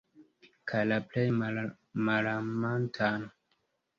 Kaj la plej malamantan.